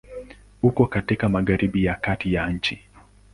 Uko katika Magharibi ya Kati ya nchi.